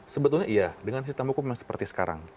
sebetulnya iya dengan sistem hukuman seperti sekarang